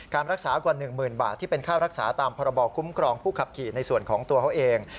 รักษากว่า๑๐๐๐บาทที่เป็นค่ารักษาตามพรบคุ้มครองผู้ขับขี่ในส่วนของตัวเขาเอง